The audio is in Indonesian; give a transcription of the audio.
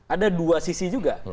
ada dua sisi juga